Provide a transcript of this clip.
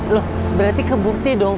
loh berarti kebukti dong